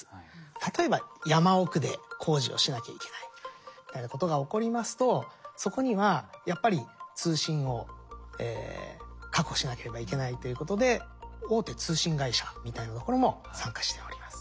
例えば山奥で工事をしなきゃいけないみたいなことが起こりますとそこにはやっぱり通信を確保しなければいけないということで大手通信会社みたいなところも参加しております。